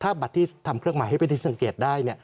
ถ้าบัตรที่ทำเครื่องหมายให้เป็นที่สังเกตได้